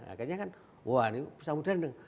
akhirnya kan wah ini bisa modern dong